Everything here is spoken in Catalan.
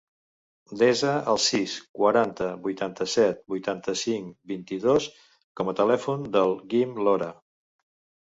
Desa el sis, quaranta, vuitanta-set, vuitanta-cinc, vint-i-dos com a telèfon del Guim Lora.